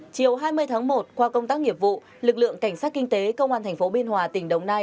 chiều hai mươi tháng một qua công tác nghiệp vụ lực lượng cảnh sát kinh tế công an tp biên hòa tỉnh đồng nai